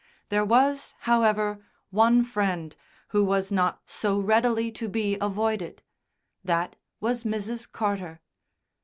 There was, however, one friend who was not so readily to be avoided; that was Mrs. Carter.